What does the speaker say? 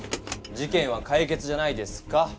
事けんはかい決じゃないですか？